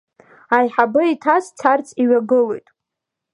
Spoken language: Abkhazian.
Аиҳабы иҭаз царц иҩагылоит.